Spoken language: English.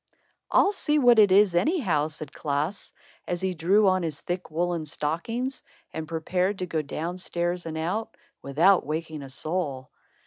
"I'll see what it is, anyhow," said Klaas, as he drew on his thick woolen stockings and prepared to go down stairs and out, without waking a soul.